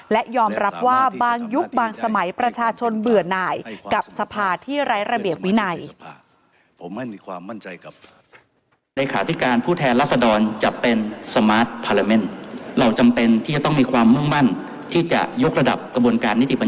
และยอมรับว่าบางยุคบางสมัยประชาชนเบื่อหน่ายกับสภาที่ไร้ระเบียบวินัย